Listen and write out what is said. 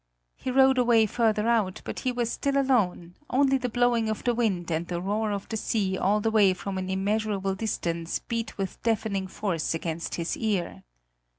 He rode a way further out, but he was still alone; only the blowing of the wind and the roar of the sea all the way from an immeasurable distance beat with deafening force against his ear.